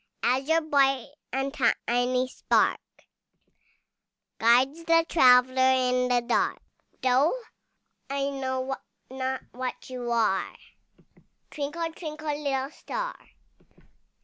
As your bright and tiny spark Guides the traveller in the dark, Though I know not what you are, Twinkle, twinkle, little star!